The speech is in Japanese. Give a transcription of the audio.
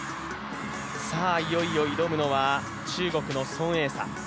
いよいよ挑むのは中国の孫エイ莎。